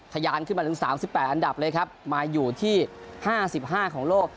ยานขึ้นมาถึง๓๘อันดับเลยครับมาอยู่ที่๕๕ของโลก